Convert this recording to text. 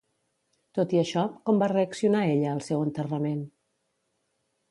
Tot i això, com va reaccionar ella al seu enterrament?